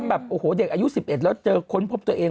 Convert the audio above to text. แบบโอ้โหเด็กอายุ๑๑แล้วเจอค้นพบตัวเอง